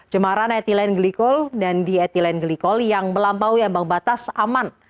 cemaran etilen glikol dan dietilen glikol yang melampaui ambang batas aman